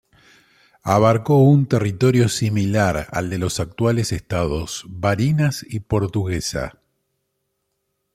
Abarcó un territorio similar al de los actuales estados Barinas y Portuguesa.